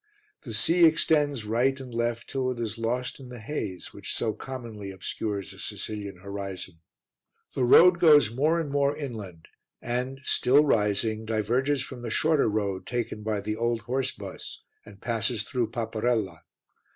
The sea extends right and left till it is lost in the haze which so commonly obscures a Sicilian horizon. The road goes more and more inland and, still rising, diverges from the shorter road taken by the old horse bus and passes through Paparella.